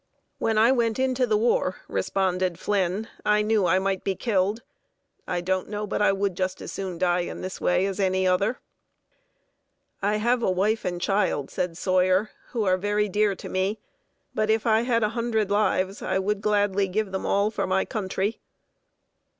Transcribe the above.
"When I went into the war," responded Flynn, "I knew I might be killed. I don't know but I would just as soon die in this way as any other." "I have a wife and child," said Sawyer, "who are very dear to me, but if I had a hundred lives I would gladly give them all for my country."